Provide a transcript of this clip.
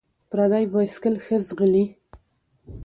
ـ پردى بايسکل ښه ځغلي.